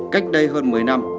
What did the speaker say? cách đây hơn một mươi năm